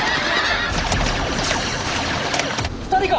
２人か？